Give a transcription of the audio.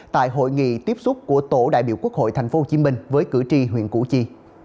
tại hội nghị tiếp xúc của tổ đại biểu quốc hội tp hcm với cử tri huyện củ chi